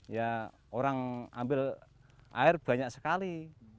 ya orang ambil air banyak sekali